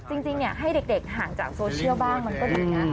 จริงให้เด็กห่างจากโซเชียลบ้างมันก็ดีนะ